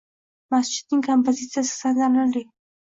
Masjidning kompozitsiyasi tantanali